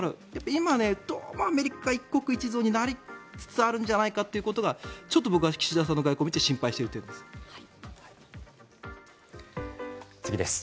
今どうもアメリカが一国一存になりつつあるんじゃないかとちょっと僕は岸田さんの外交を見て心配している点です。